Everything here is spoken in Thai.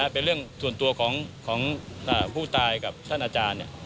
เป็นเรื่องส่วนตัวของผู้ตายกับท่านอาจารย์